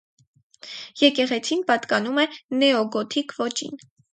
Եկեղեցին պատկանում է նեոգոթիկ ոճին։